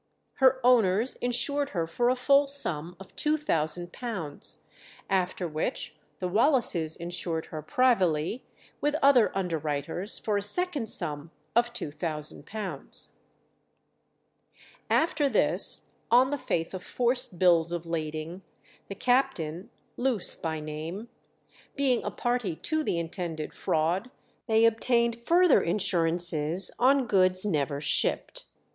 Her owners insured her for a full sum of £2000, after which the Wallaces insured her privily with other underwriters for a second sum of £2000. After this, on the faith of forced bills of lading, the captain, Loose by name, being a party to the intended fraud, they obtained further insurances on goods never shipped.